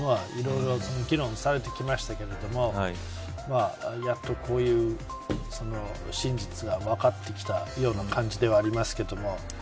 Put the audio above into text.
これも長年、誰なのかというのはいろいろ議論されてきましたけれどもやっとこういう真実が分かってきたような感じではありますけども。